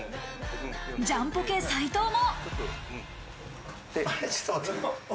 ジャンポケ・斉藤も。